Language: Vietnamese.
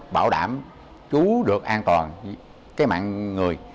để bảo đảm chú được an toàn mạng người